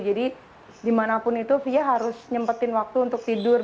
jadi dimanapun itu fia harus nyempetin waktu untuk tidur